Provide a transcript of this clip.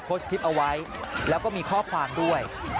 โพสต์คลิปเอาไว้แล้วก็มีข้อความด้วย